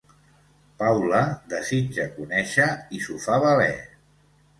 Paula desitja conèixer i s'ho fa valer–.